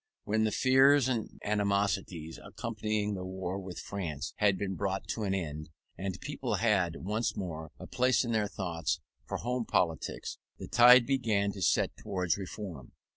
When the fears and animosities accompanying the war with France had been brought to an end, and people had once more a place in their thoughts for home politics, the tide began to set towards reform.